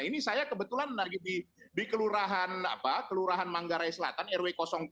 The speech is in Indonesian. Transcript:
ini saya kebetulan lagi di kelurahan manggarai selatan rw empat